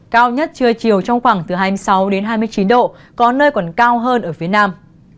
cao nhất trưa chiều trong khoảng từ hai mươi sáu hai mươi chín độ có nơi còn cao hơn ở phía nam